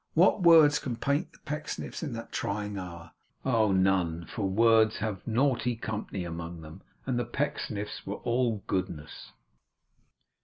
What words can paint the Pecksniffs in that trying hour? Oh, none; for words have naughty company among them, and the Pecksniffs were all goodness.